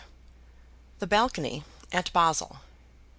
The Balcony at Basle.